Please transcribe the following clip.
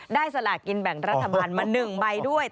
ได้สละกินแบ่งรัฐบาลมาหนึ่งใบด้วย